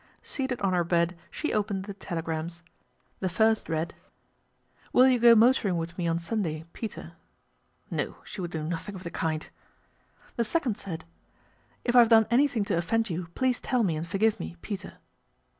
Seated on her bed she opened the tele* grams. The first read : 52 PATRICIA BRENT, SPINSTER " Will you go motoring with me on Sunday peter." No, she would do nothing of the kind. The second said :" If I have done anything to offend you please tell me and forgive me peter."